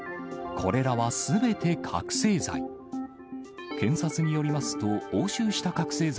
これらはすべて覚醒剤。